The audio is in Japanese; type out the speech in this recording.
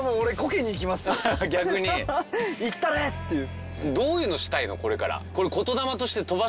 いったれ！っていう。